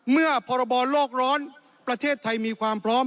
พรบรโลกร้อนประเทศไทยมีความพร้อม